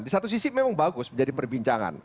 di satu sisi memang bagus menjadi perbincangan